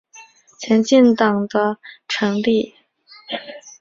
前进党的成立是利库德集团作为以色列两个主要政党之一地位的重大挑战。